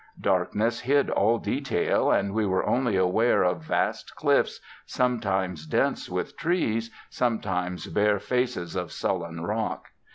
Darkness hid all detail, and we were only aware of vast cliffs, sometimes dense with trees, sometimes bare faces of sullen rock.